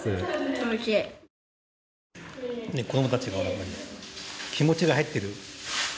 子どもたちの気持ちが入っている。